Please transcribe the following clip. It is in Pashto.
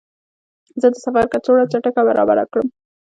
زه د سفر کڅوړه چټکه برابره کړم.